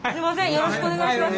よろしくお願いします。